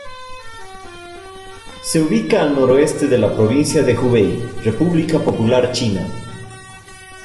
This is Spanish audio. Se ubica al noroeste de la Provincia de Hubei, República Popular China.